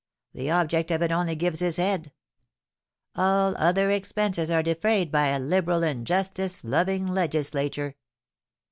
The object of it only gives his head! All other expenses are defrayed by a liberal and justice loving legislature.